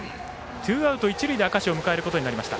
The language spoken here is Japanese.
ツーアウト、一塁で明石を迎えることになりました。